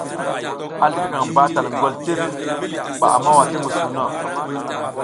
A zligakaƞ batal ngoltir ɓa a mawa ti musuwuno.